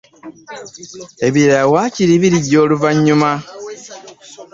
Ebirala waakiri birijja luvannyuma.